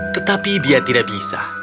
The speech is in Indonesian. tetapi dia tidak bisa